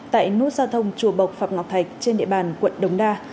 tại nút giao thông chùa bộc phạm ngọc thạch trên địa bàn quận đồng đa